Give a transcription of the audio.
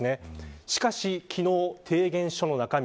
しかし昨日の提言書の中身